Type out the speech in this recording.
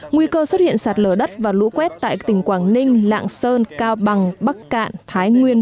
nguy cơ xuất hiện sạt lở đất và lũ quét tại các tỉnh quảng ninh lạng sơn cao bằng bắc cạn thái nguyên